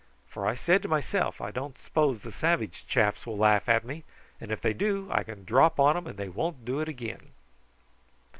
For I said to myself, I don't s'pose the savage chaps will laugh at me, and if they do I can drop on 'em and they won't do it again."